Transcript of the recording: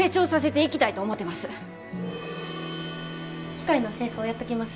機械の清掃やっときます。